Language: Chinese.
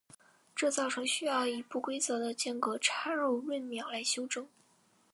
这造成需要以不规则的间隔插入闰秒来修正。